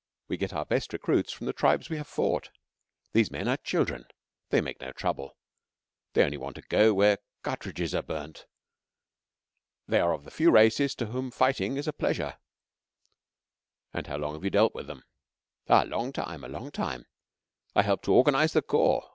we get our best recruits from the tribes we have fought. These men are children. They make no trouble. They only want to go where cartridges are burnt. They are of the few races to whom fighting is a pleasure." "And how long have you dealt with them?" "A long time a long time. I helped to organize the corps.